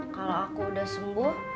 kalau aku udah sembuh